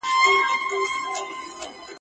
پر توپانو دي مېنه آباده !.